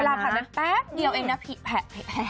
เวลาผ่านแป๊บเดียวเองนะแผลแผล